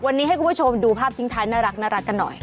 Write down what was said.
วันนี้ให้คุณผู้ชมดูภาพทิ้งท้ายน่ารักกันหน่อย